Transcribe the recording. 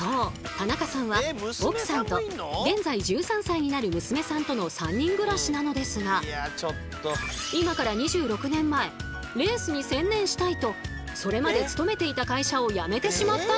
田中さんは奥さんと現在１３歳になる娘さんとの３人暮らしなのですが今から２６年前レースに専念したいとそれまで勤めていた会社を辞めてしまったんだとか。